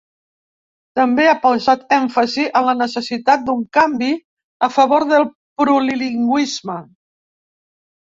També ha posat èmfasi en la necessitat d'un canvi a favor del plurilingüisme.